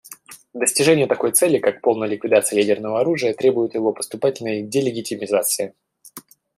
Достижение такой цели, как полная ликвидация ядерного оружия, требует его поступательной делигитимизации.